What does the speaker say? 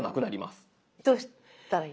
どうしたらいい？